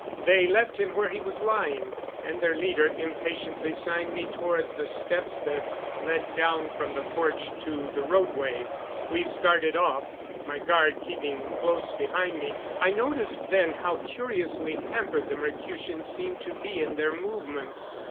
They left him where he was lying, and their leader impatiently signed me toward the steps that led down from the porch to the roadway. We started off, my guard keeping close behind me. I noticed then how curiously hampered the Mercutians seemed to be in their movements.